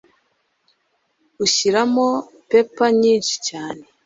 Ushyiramo pepper nyinshi cyane.